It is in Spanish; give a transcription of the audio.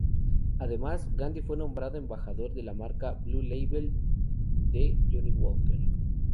Además, Gandy fue nombrado embajador de la marca "Blue Label" de Johnnie Walker.